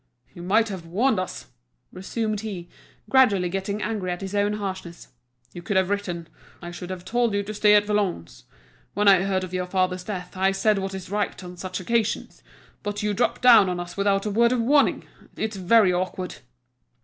"You might have warned us," resumed he, gradually getting angry at his own harshness. "You could have written; I should have told you to stay at Valognes. When I heard of your father's death I said what is right on such occasions, but you drop down on us without a word of warning. It's very awkward."